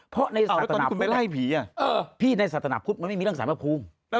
เพราะในศาสนภพภูมิพี่ในศาสนภพภูมิมันไม่มีเรื่องศาสนภพภูมิ